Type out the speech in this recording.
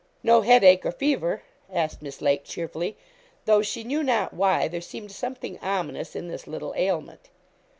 'No headache or fever?' asked Miss Lake cheerfully, though, she knew not why, there seemed something ominous in this little ailment.